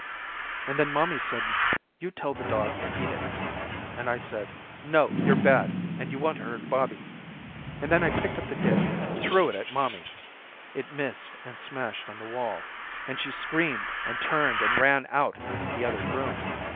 And then mommy said you tell the dog to eat it and I said no you're bad and you want to hurt Bobby, and then I picked up the dish and threw it at mommy. It missed and smashed on the wall and she screamed and turned and ran out into the other room.